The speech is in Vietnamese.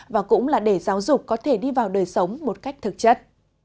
và cũng là để giáo dục có thể đi vào đời sống một cách thực chất